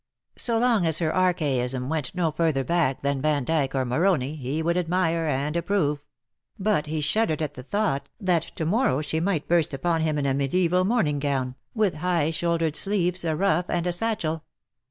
So long as her archaism went no further back than Vandyke or Moroni he would admire and approve ; but he shuddered at the thought that to morrow she might burst upon him in a meditcval morning gown, with high shouldcrcd VOL. I. E 50' BUT THEN CAME ONE, sleeves, a ruff, and a satchel.